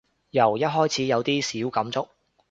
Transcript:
由一開始有啲小感觸